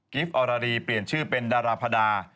กิฟต์ออรารีเปลี่ยนชื่อเป็นดาราพระดา